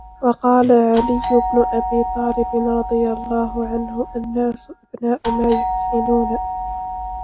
وَقَالَ عَلِيُّ بْنُ أَبِي طَالِبٍ رَضِيَ اللَّهُ عَنْهُ النَّاسُ أَبْنَاءُ مَا يُحْسِنُونَ